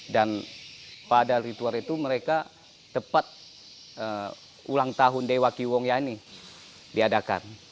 dan pada ritual itu mereka tepat ulang tahun dewa kiwong yani diadakan